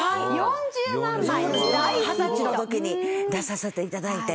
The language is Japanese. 二十歳の時に出させて頂いて。